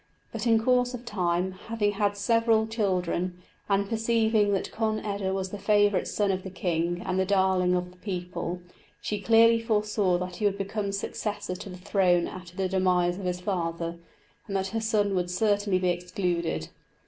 But, in course of time, having had several children, and perceiving that Conn eda was the favourite son of the king and the darling of the people, she clearly foresaw that he would become successor to the throne after the demise of his father, and that her son would certainly be excluded.